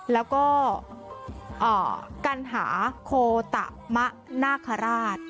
แล้วก็กัณหาโคตะมะนาคาราช